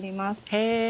へえ。